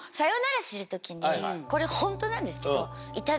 これホントなんですけど。ハハハハ！